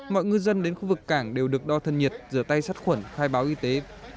mọi ngư dân đến khu vực cảng đều được đo thân nhiệt rửa tay sát khuẩn khai báo y tế